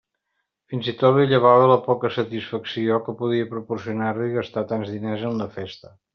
Fins i tot li llevava la poca satisfacció que podia proporcionar-li gastar tants diners en la festa.